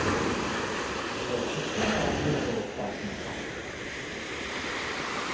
以上、徳島からニュースをお伝えしました。